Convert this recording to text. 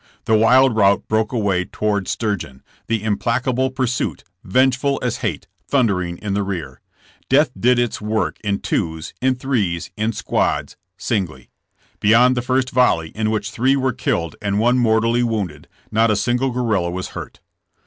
The wild rout broke away toward Sturgeon, the implacable pursuit, vengeful as hate, thundering in the rear. Death did its work in twos, in threes, in squads— singly. Be yond the first volley, in which three were killed and one mortally wounded, not a single guerrilla was hurt.